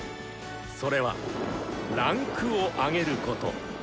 それは「位階を上げる」こと。